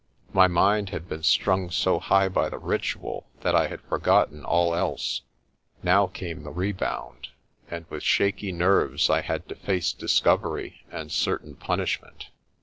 My mind had been strung so high by the ritual that I had forgotten all else. Now came the rebound, and with shaky nerves I had to face discovery and certain punishment.